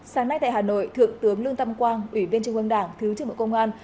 sáng nay tại hà nội thượng tướng lương tam quang ủy viên trung ương đảng thứ trưởng bộ công an